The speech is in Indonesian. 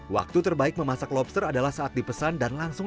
waktu terbaik memasak lobster adalah saat dipesan dan langsung